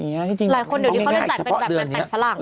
หลายคนเดี๋ยวนี้เขาจะจัดเป็นแบบงานแต่งฝรั่ง